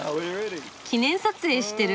記念撮影してる。